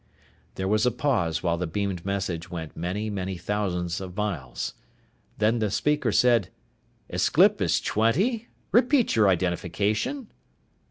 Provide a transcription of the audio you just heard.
There was a pause while the beamed message went many, many thousands of miles. Then the speaker said, "Aesclipus Twenty, repeat your identification!"